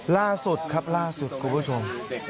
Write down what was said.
ล่าสุดครับล่าสุดคุณผู้ชม